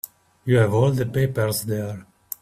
You have all the papers there.